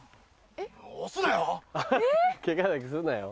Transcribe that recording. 押すなよ？